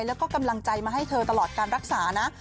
แล้วก็กำลังใจมาให้เธอตลอดการรักษานะ